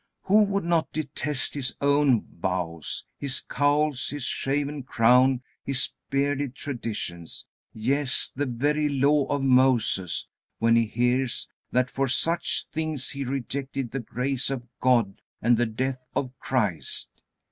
Who would not detest his own vows, his cowls, his shaven crown, his bearded traditions, yes, the very Law of Moses, when he hears that for such things he rejected the grace of God and the death of Christ.